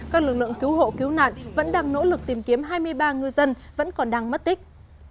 các lực lượng cứu hộ cứu nạn vẫn đang nỗ lực tìm kiếm hai mươi ba ngư dân vẫn còn đang mất tích